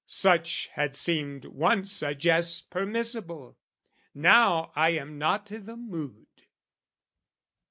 "Such had seemed once a jest permissible: "Now, I am not i' the mood."